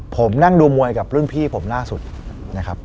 ผมนั่งดูมวยกับรุ่นพี่ผมล่าสุดนะครับ